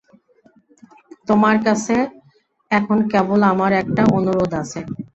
তোমার কাছে এখন কেবল আমার একটা অনুরোধ আছে।